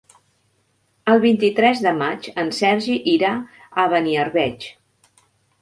El vint-i-tres de maig en Sergi irà a Beniarbeig.